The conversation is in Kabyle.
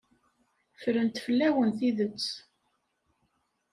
Ffrent fell-awen tidet.